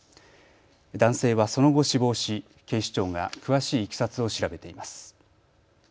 男性はその後、死亡し警視庁が詳しいいきさつを調べています。